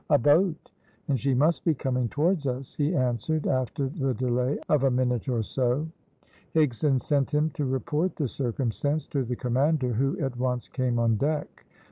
"A boat! and she must be coming towards us," he answered, after the delay of a minute or so. Higson sent him to report the circumstance to the commander, who at once came on deck.